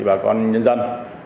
bà con nhân dân